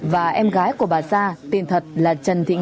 và em gái của bà sa tiền thật là trần thị ái sa